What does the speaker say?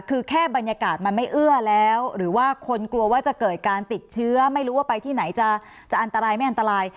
คือแค่บรรยากาศมันไม่เอื้อแล้วหรือว่าคนกลัวว่าจะเกิดการติดเชื้อไม่รู้ว่าไปที่ไหนจะอันตรายไม่อันตราย